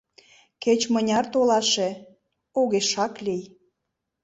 Кеч-мыняр толаше — огешак лий.